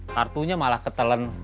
kartunya malah ketelen